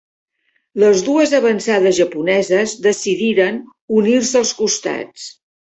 Les dues avançades japoneses decidiren unir-se als costats.